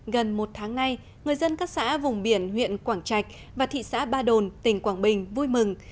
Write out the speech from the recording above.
gần một tháng nay người dân các xã vùng biển huyện quảng trạch và thị xã ba đồn tỉnh quảng bình vui mừng